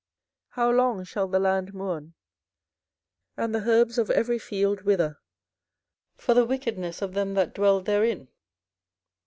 24:012:004 How long shall the land mourn, and the herbs of every field wither, for the wickedness of them that dwell therein?